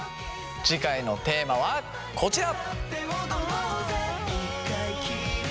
次回のテーマはこちら！